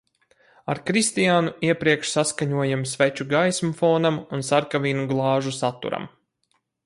Ar Kristianu iepriekš saskaņojam sveču gaismu fonam un sarkanvīnu glāžu saturam.